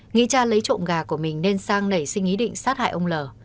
nghĩ cha lấy trộm gà của mình nên sang nảy sinh ý định sát hại ông lờ